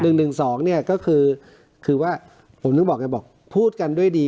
หนึ่งหนึ่งสองเนี่ยก็คือคือว่าผมถึงบอกไงบอกพูดกันด้วยดี